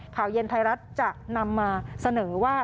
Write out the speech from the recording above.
ข่าวเย็นไทยรัฐจะนำมาเสนอว่า